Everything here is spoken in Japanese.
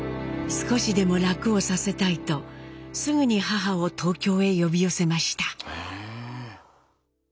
少しでも楽をさせたいとすぐに母を東京へ呼び寄せました。